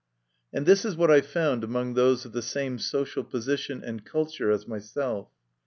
And this is what I found among those of the same social position and culture as myself.